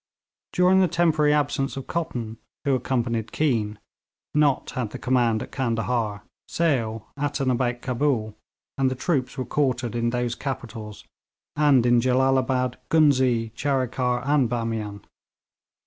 During the temporary absence of Cotton, who accompanied Keane, Nott had the command at Candahar, Sale at and about Cabul, and the troops were quartered in those capitals, and in Jellalabad, Ghuznee, Charikar and Bamian.